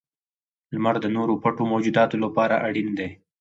• لمر د نورو پټو موجوداتو لپاره اړین دی.